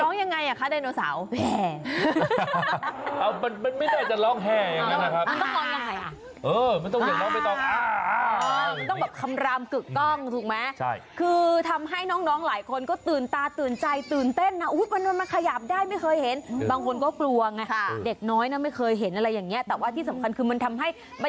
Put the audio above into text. ร้องยังไงค่ะไดโนเสาแห่มันไม่ได้จะร้องแห่อย่างนั้นนะครับ